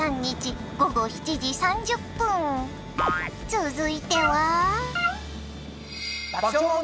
続いては！